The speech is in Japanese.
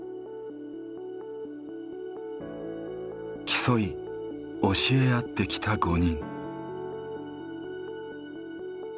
競い教え合ってきた５人。